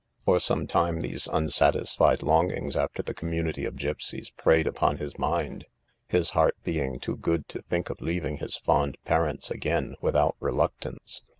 For some time these unsatisfied longings after the community of gipseys preyed upon his mind, his heart being too good to think of leaving his fond parents again, without reluctance.